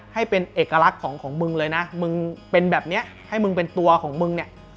ให้เป็นเอกลักษณ์ของมึงเลยนะมึงเป็นแบบนี้ให้มึงเป็นตัวของมึงเนี่ย